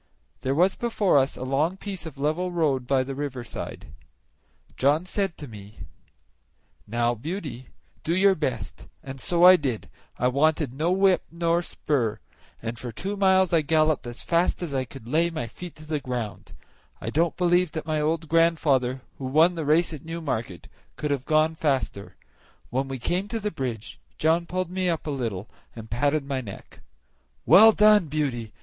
There was before us a long piece of level road by the river side; John said to me, "Now, Beauty, do your best," and so I did; I wanted no whip nor spur, and for two miles I galloped as fast as I could lay my feet to the ground; I don't believe that my old grandfather, who won the race at Newmarket, could have gone faster. When we came to the bridge John pulled me up a little and patted my neck. "Well done, Beauty!